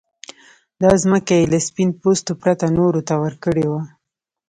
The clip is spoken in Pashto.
دا ځمکه يې له سپين پوستو پرته نورو ته ورکړې وه.